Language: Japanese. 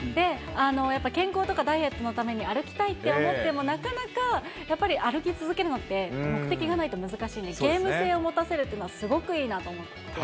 やっぱり健康とかダイエットのために歩きたいって思っても、なかなか、やっぱり歩き続けるのって目的がないと難しいので、ゲーム性を持たせるっていうのは、すごくいいなと思って。